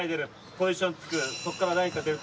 ポジションつくる。